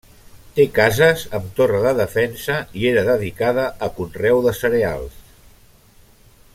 Té cases amb torre de defensa i era dedicada a conreu de cereals.